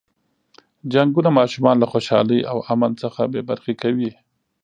جنګونه ماشومان له خوشحالۍ او امن څخه بې برخې کوي.